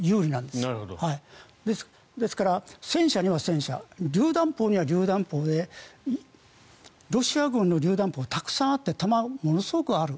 ですから戦車には戦車りゅう弾砲にはりゅう弾砲でロシア軍のりゅう弾砲たくさんあって弾がものすごくある。